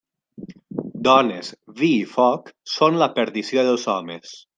Dones, vi i foc són la perdició dels homes.